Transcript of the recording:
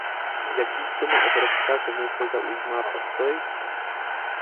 Jaký k tomu Evropská komise zaujímá postoj?